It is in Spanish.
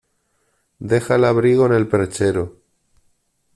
Deja el abrigo en el perchero.